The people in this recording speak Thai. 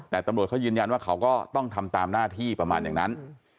แต่ตำรวจเขายืนยันว่าเขาก็ต้องทำตามหน้าที่ประมาณอย่างนั้น